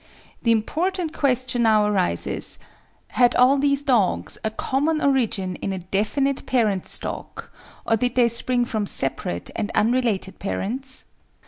The important question now arises: Had all these dogs a common origin in a definite parent stock, or did they spring from separate and unrelated parents?